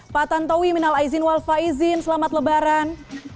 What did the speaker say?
pak tantowi minal aizin wal faizin selamat lebaran